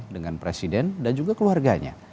dengan presiden dan juga keluarganya